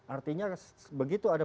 artinya begitu ada